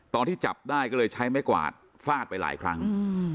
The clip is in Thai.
ตอนที่จับได้ก็เลยใช้ไม้กวาดฟาดไปหลายครั้ง